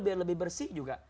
biar lebih bersih juga